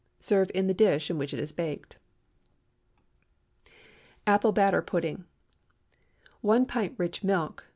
Serve in the dish in which it is baked. APPLE BATTER PUDDING. ✠ 1 pint rich milk.